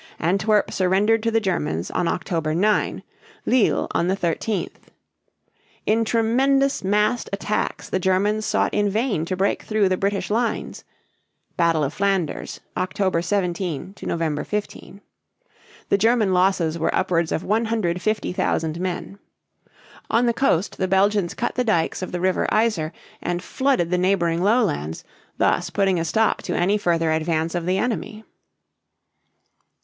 Antwerp surrendered to the Germans on October 9; Lille (leel) on the 13th. In tremendous massed attacks the Germans sought in vain to break through the British lines (Battle of Flanders, October 17 to November 15). The German losses were upwards of 150,000 men. On the coast the Belgians cut the dikes of the river Yser (ī´ser) and flooded the neighboring lowlands, thus putting a stop to any further advance of the enemy.